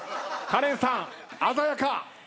カレンさん鮮やか！